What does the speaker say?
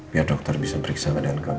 biar dokter bisa periksakan dengan kamu